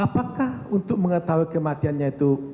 apakah untuk mengetahui kematiannya itu